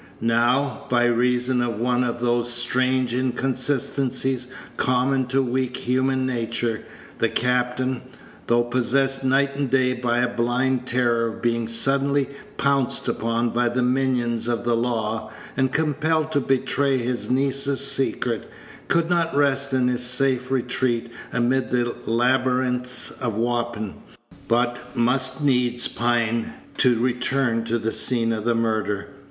Now, by reason of one of those strange inconsistencies common to weak human nature, the captain, though possessed night and day by a blind terror of being suddenly pounced upon by the minions of the law, and compelled to betray his niece's secret, could not rest in his safe retreat amid the labyrinths of Wapping, but must needs pine to return to the scene of the murder.